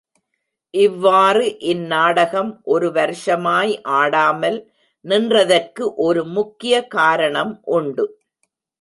இவ்வாறு இந்நாடகம் ஒரு வருஷமாய் ஆடாமல் நின்றதற்கு ஒரு முக்கியக் காரணம் உண்டு.